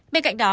bên cạnh đó